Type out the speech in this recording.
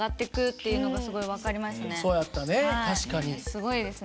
すごいですね。